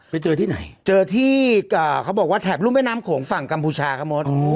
ไปเจอที่ไหนเจอที่เขาบอกว่าแถบรุ่มแม่น้ำโขงฝั่งกัมพูชาครับมด